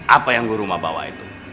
apa yang guruma bawa itu